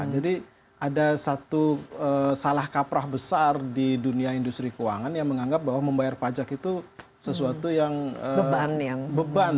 jadi ada satu salah kaprah besar di dunia industri keuangan yang menganggap bahwa membayar pajak itu sesuatu yang beban